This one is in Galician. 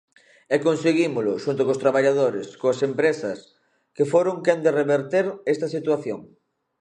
E conseguímolo, xunto cos traballadores, coas empresas, que foron quen de reverter esta situación.